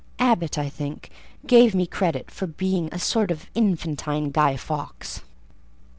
Abbot, I think, gave me credit for being a sort of infantine Guy Fawkes.